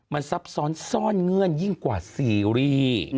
มันซับซ้อนซ่อนเงื่อนยิ่งกว่าซีรีส์